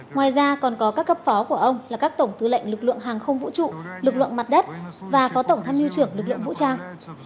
ngoài ra còn có các cấp phó của ông là các tổng tư lệnh lực lượng hàng không vũ trụ lực lượng mặt đất và phó tổng tham mưu trưởng lực lượng vũ trang